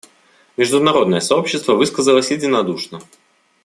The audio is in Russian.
Международное сообщество высказалось единодушно.